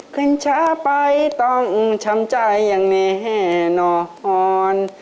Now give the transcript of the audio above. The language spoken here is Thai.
ขึ้นช้าไปต้องช้ำใจอย่างแน่นอน